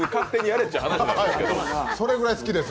それくらい好きです。